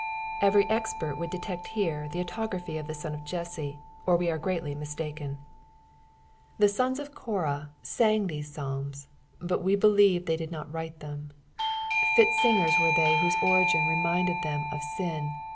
Eoery expert mould defect herf the aatography cf the Son q/ JtMe, or let are greaUy misfofcen. Tht Hons q^ Korah aoiu} these Psalms, but ice believe they did not uxile thwm. f^t singers mere Ihey lehose ori/jin rtmindtd them of sin.